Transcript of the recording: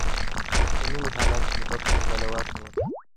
د مينې حالت شېبه په شېبه له واکه وته.